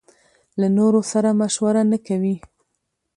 له نورو سره مشوره نکوي.